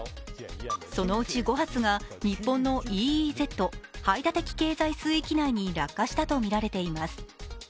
そのうち５発が日本のＥＥＺ＝排他的経済水域内に落下したとみられています。